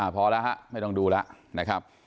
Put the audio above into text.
พอแล้วไม่ต้องดูแล้ว